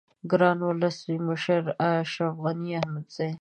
گران ولس مشر اشرف غنی احمدزی